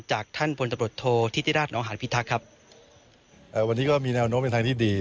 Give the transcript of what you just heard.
จากท่านพลตำรวจโทษธิติราชนองหานพิทักษ์ครับเอ่อวันนี้ก็มีแนวโน้มเป็นทางที่ดี